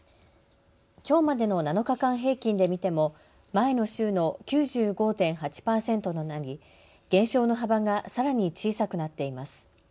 きょうまでの７日間平均で見ても前の週の９５．８％となり減少の幅がさらに小さくなっています。